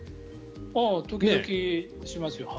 時々しますよ。